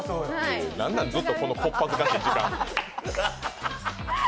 何なん、ずっとこのこっぱずかしい時間。